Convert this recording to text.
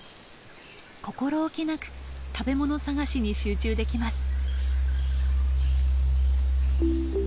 心おきなく食べ物探しに集中できます。